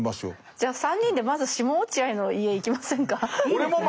じゃあ３人でまず下落合の家行きませんか。